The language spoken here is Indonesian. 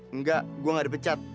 enggak gua gak dipecat